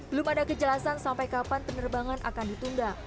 belum ada kejelasan sampai kapan penerbangan akan ditunda